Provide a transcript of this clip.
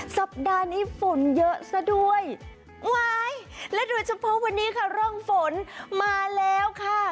สัปดาห์นี้ฝนเยอะซะด้วยว้ายและโดยเฉพาะวันนี้ค่ะร่องฝนมาแล้วค่ะ